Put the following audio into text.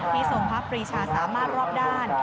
ทรงพระปรีชาสามารถรอบด้าน